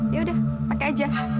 yaudah pakai aja